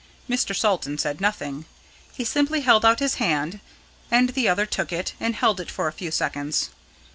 Mr. Salton said nothing. He simply held out his hand, and the other took it and held it for a few seconds.